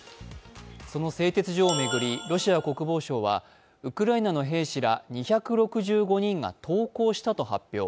その製鉄所を巡りロシア国防省はウクライナの兵士ら２６５人が投降したと発表。